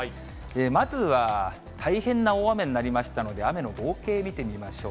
まずは大変な大雨になりましたので、雨の合計見てみましょう。